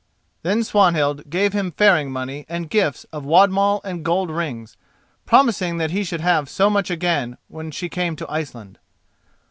Then Swanhild gave him faring money and gifts of wadmal and gold rings, promising that he should have so much again when she came to Iceland.